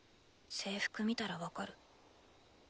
制服見たら分かる。